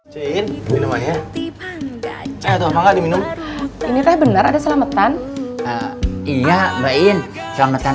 cain minum airnya cek atau apa nggak diminum ini teh bener ada selamatan iya mbak in selamatan